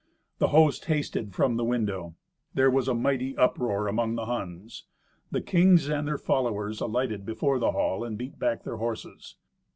The host hasted from the window. There was a mighty uproar among the Huns. The kings and their followers alighted before the hall, and beat back their horses.